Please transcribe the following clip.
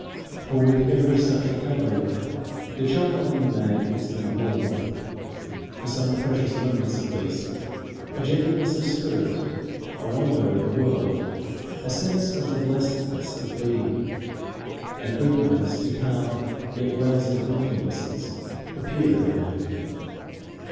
For with every such recovery the child in the man is new born for some precious moments at least; a gentleness of spirit, a wonder at the world, a sense of the blessedness of being, an openness to calm yet rousing influences, appear in the man.